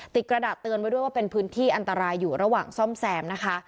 กระดาษเตือนไว้ด้วยว่าเป็นพื้นที่อันตรายอยู่ระหว่างซ่อมแซมนะคะ